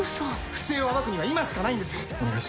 不正を暴くには今しかないんです。